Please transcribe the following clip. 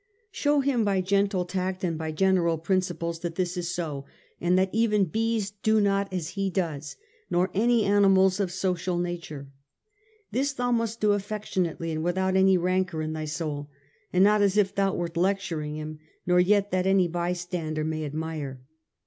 Show him by gentle tact and by general principles that this is so, and that even bees do not as he does, nor any animals of social nature. This thou must do affectionately and without any rancour in thy soul; and not as if thou wert lecturing him, nor yet that any bystander may admire.'